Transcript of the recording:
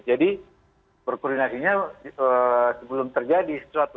jadi berkoordinasinya sebelum terjadi sesuatu